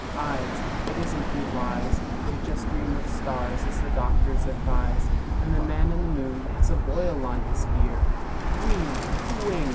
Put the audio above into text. Eyes! But isn't he wise To jes' dream of stars, as the doctors advise? "And the Man in the Moon has a boil on his ear Whee! Whing!